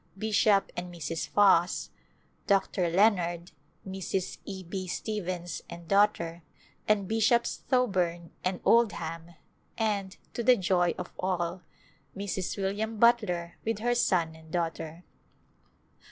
Bishop and Mrs. Foss, Dr. Leonard, Mrs. E. B. Stevens and daughter, and Bishops Thoburn and Oldham, and, to the joy of all, Mrs. William Butler with her son and daughter.